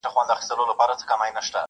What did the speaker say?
• زلیخا دي کړه شاعره زه دي هلته منم عشقه,